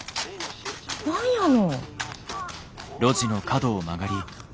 何やの。